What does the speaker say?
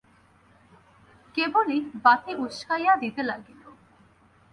কেবলই বাতি উসকাইয়া দিতে লাগিল ।